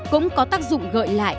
cũng có tác dụng gợi lại